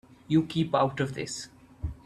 You keep out of this.